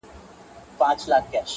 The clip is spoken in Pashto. زما پر ښکلي اشنا وایه په ګېډیو سلامونه-